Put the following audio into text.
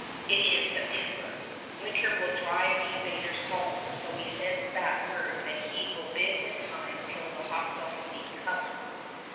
It is September. Winter will drive the invaders home, so he sends back word that he will bide his time till the hostile fleet comes.